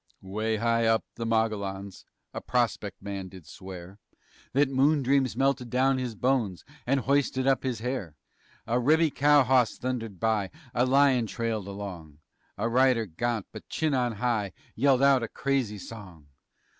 _" 'Way high up the Mogollons A prospect man did swear That moon dreams melted down his bones And hoisted up his hair: A ribby cow hawse thundered by, A lion trailed along, A rider, ga'nt but chin on high, Yelled out a crazy song.